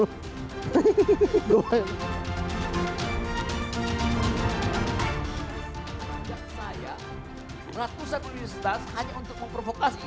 saya seratus an universitas hanya untuk memprovokasi